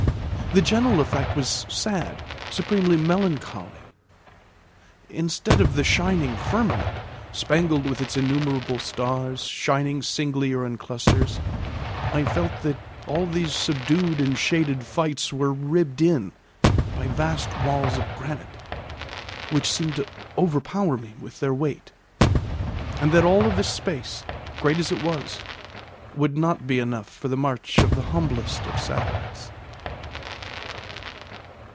The general effect was sad, supremely melancholy. Instead of the shining firmament, spangled with its innumerable stars, shining singly or in clusters, I felt that all these subdued and shaded lights were ribbed in by vast walls of granite, which seemed to overpower me with their weight, and that all this space, great as it was, would not be enough for the march of the humblest of satellites.